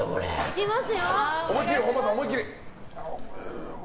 いきます。